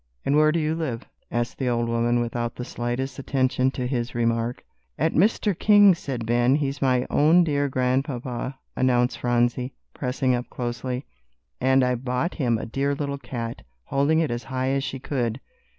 "And where do you live?" asked the old woman, without the slightest attention to his remark. "At Mr. King's," said Ben. "He's my own dear Grandpapa," announced Phronsie, pressing up closely, "and I've bought him a dear little cat," holding it as high as she could.